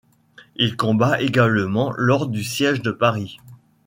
Il combat également lors du siège de Paris.